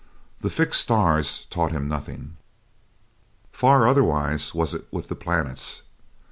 The fixed stars taught him nothing. Far otherwise was it with the planets.